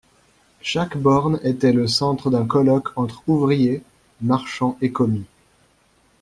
Chaque borne était le centre d'un colloque entre ouvriers, marchands et commis.